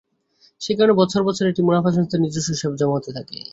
সেই কারণে বছর বছর এটির মুনাফা সংস্থার নিজস্ব হিসাবে জমা হতে থাকে।